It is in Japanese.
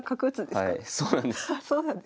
はいそうなんです。